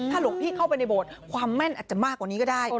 หลวงพี่เข้าไปในโบสถ์ความแม่นอาจจะมากกว่านี้ก็ได้